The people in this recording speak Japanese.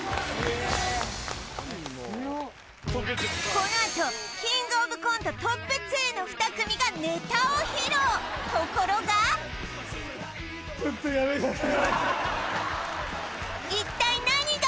このあと「キングオブコント」トップ２の２組がネタを披露ところが一体何が？